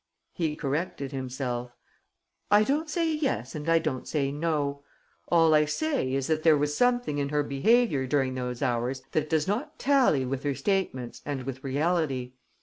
He corrected himself: "I don't say yes and I don't say no. All I say is that there was something in her behaviour during those hours that does not tally with her statements and with reality.